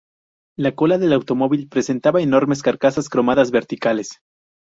La cola del automóvil presentaba enormes carcasas cromadas verticales.